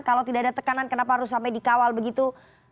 kalau tidak ada tekanan kenapa harus sampai dikawal begitu